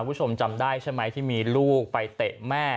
คุณผู้ชมจำได้ใช่ไหมที่มีลูกไปเตะแม่